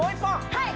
はい！